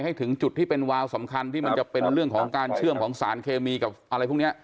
ให้ถึงจุดที่เป็นวาวสำคัญที่มันจะเป็นเรื่องของการเชื่อมของสารเคมีกับอะไรพวกนี้